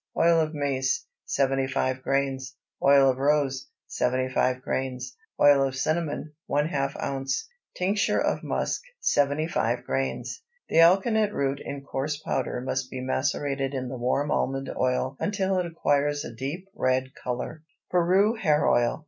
Oil of mace 75 grains. Oil of rose 75 grains. Oil of cinnamon ½ oz. Tincture of musk 75 grains. The alkanet root in coarse powder must be macerated in the warm almond oil until it acquires a deep red color. PERU HAIR OIL.